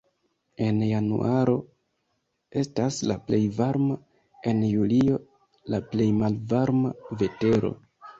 En januaro estas la plej varma, en julio la plej malvarma vetero.